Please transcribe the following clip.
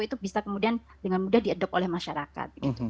itu bisa kemudian dengan mudah diadopt oleh masyarakat